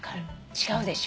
違うでしょ？